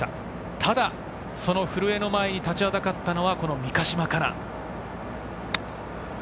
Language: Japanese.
ただ古江の前に立ちはだかったのはこの三ヶ島かな。